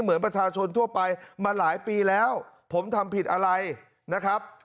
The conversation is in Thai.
เหมือนประชาชนทั่วไปมาหลายปีแล้วผมทำผิดอะไรนะครับ